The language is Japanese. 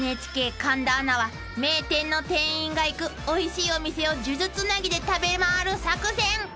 ［元ＮＨＫ神田アナは名店の店員が行くおいしいお店を数珠つなぎで食べ回る作戦］